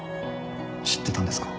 知ってたんですか？